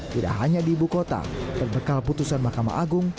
tidak hanya di ibu kota berbekal putusan mahkamah agung